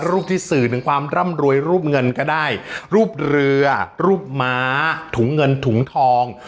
ที่สื่อถึงความร่ำรวยรูปเงินก็ได้รูปเรือรูปม้าถุงเงินถุงทอง